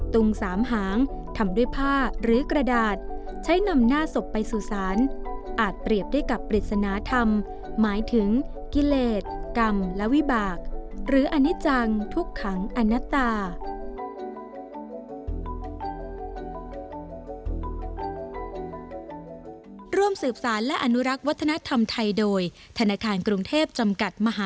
งสามหางทำด้วยผ้าหรือกระดาษใช้นำหน้าศพไปสู่ศาลอาจเปรียบได้กับปริศนาธรรมหมายถึงกิเลสกรรมและวิบากหรืออนิจังทุกขังอนัตตา